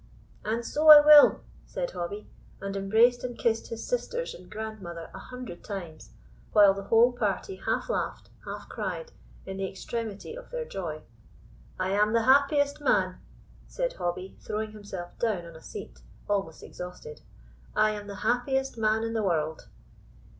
"And so I will," said Hobbie, and embraced and kissed his sisters and grandmother a hundred times, while the whole party half laughed, half cried, in the extremity of their joy. "I am the happiest man," said Hobbie, throwing himself down on a seat, almost exhausted, "I am the happiest man in the world!"